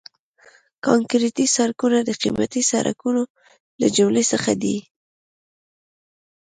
کانکریټي سړکونه د قیمتي سړکونو له جملې څخه دي